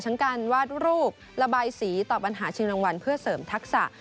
การวาดรูประบายสีต่อปัญหาชิงรางวัลเพื่อเสริมทักษะ